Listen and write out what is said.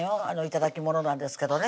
頂き物なんですけどね